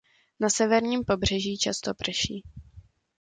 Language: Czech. Na severním pobřeží často prší.